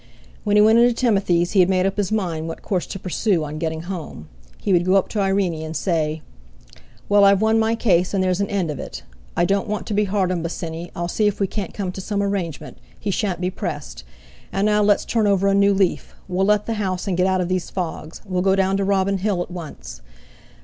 When he went into Timothy's he had made up his mind what course to pursue on getting home. He would go up to Irene and say: "Well, I've won my case, and there's an end of it! I don't want to be hard on Bosinney; I'll see if we can't come to some arrangement; he shan't be pressed. And now let's turn over a new leaf! We'll let the house, and get out of these fogs. We'll go down to Robin Hill at once.